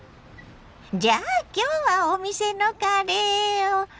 じゃあきょうはお店のカレーを。